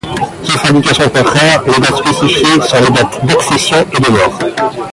Sauf indication contraire, les dates spécifiées sont les dates d'accession et de mort.